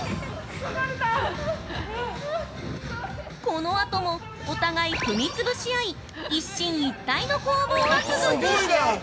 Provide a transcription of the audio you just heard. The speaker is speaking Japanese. このあともお互い踏み潰し合い一進一退の攻防が続く！